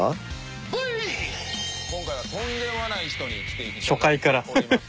今回はとんでもない人に来て頂いております。